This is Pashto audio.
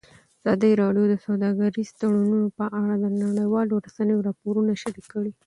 ازادي راډیو د سوداګریز تړونونه په اړه د نړیوالو رسنیو راپورونه شریک کړي.